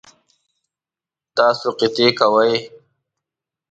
تاسو قطعی کوئ؟